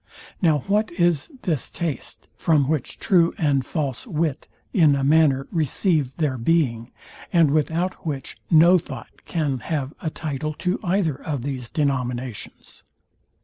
Now what is this taste, from which true and false wit in a manner receive their being, and without which no thought can have a title to either of these denominations?